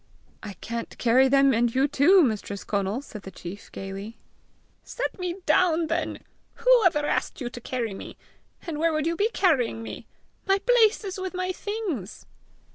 "I can't carry them and you too, Mistress Conal!" said the chief gayly. "Set me down then. Who ever asked you to carry me! And where would you be carrying me? My place is with my things!"